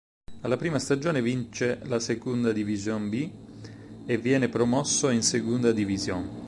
Alla prima stagione vince la Segunda División B e viene promosso in Segunda División.